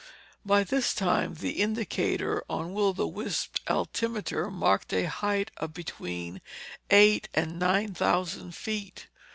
By this time the indicator on Will o' the Wisp's altimeter marked a height of between eight and nine thousand feet.